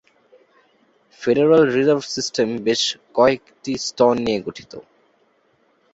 Federal reserve system বেশ কয়েকটি স্তর নিয়ে গঠিত।